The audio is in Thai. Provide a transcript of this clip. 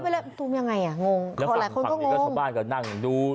ไปเลยตูมยังไงอ่ะงงแล้วหลายคนก็งงชาวบ้านก็นั่งดู